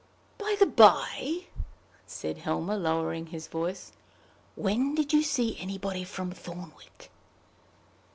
"By the by," said Helmer, lowering his voice, "when did you see anybody from Thornwick?"